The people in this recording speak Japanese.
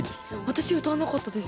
私歌わなかったです。